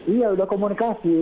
iya sudah komunikasi